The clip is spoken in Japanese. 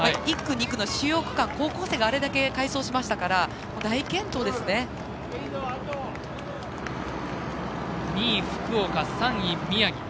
１区、２区の主要区間高校生があれだけ快走しましたから２位福岡、３位宮城。